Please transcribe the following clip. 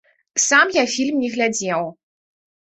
Сам я фільм не глядзеў.